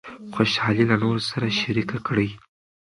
خوشحالي له نورو سره شریکه کړئ.